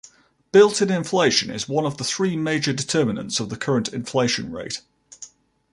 Built-in inflation is one of three major determinants of the current inflation rate.